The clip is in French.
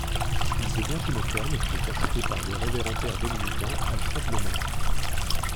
Il devient une ferme qui est achetée par le Révérend Père dominicain Alfred Lemerre.